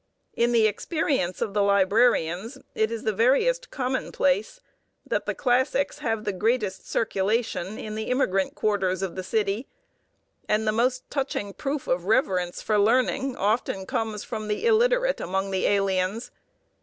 In the experience of the librarians it is the veriest commonplace that the classics have the greatest circulation in the immigrant quarters of the city; and the most touching proof of reverence for learning often comes from the illiterate among the aliens.